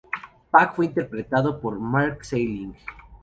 Puck fue interpretado por Mark Salling.